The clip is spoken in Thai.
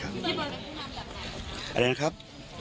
อาระครับ